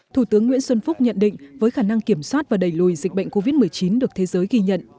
thủ tướng nguyễn xuân phúc nhận định với khả năng kiểm soát và đẩy lùi dịch bệnh covid một mươi chín được thế giới ghi nhận